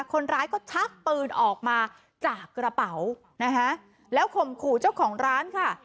คนร้ายก็ชักปืนออกมาจากกระเป๋านะคะแล้วข่มขู่เจ้าของร้านค่ะ